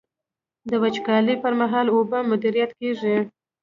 د وچکالۍ پر مهال اوبه مدیریت کیږي.